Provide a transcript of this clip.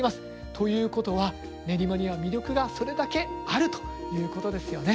ということは練馬には魅力がそれだけあるということですよね。